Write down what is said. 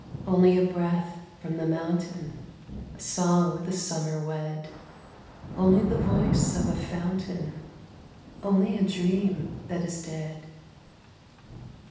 Only a breath from the mountain, A song with the summer wed; Only the voice of a fountain, Only a dream that is dead.